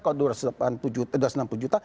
kalau dua ratus enam puluh juta